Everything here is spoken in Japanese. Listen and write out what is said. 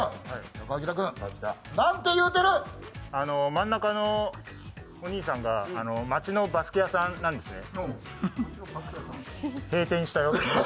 真ん中のお兄さんが街のバスケ屋さんなんですね。